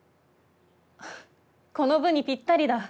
ふふっこの部にぴったりだ。